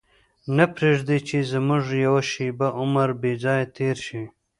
نه پرېږدي چې زموږ یوه شېبه عمر بې ځایه تېر شي.